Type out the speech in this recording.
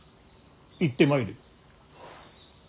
行ってまいれ。